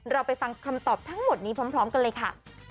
เราไปฟังคำตอบทั้งหมดนี้พร้อมกันเลยค่ะ